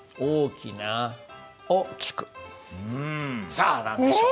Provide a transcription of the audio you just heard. さあ何でしょう？